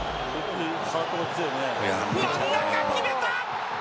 真ん中、決めた！